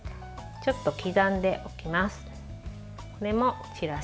ちょっと刻んでおきます。